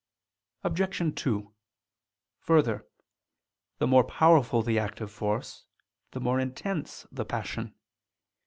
Obj. 2: Further, the more powerful the active force, the more intense the passion.